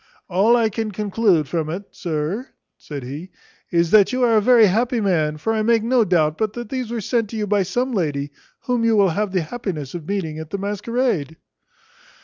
"All I can conclude from it, sir," said he, "is, that you are a very happy man; for I make no doubt but these were sent you by some lady whom you will have the happiness of meeting at the masquerade."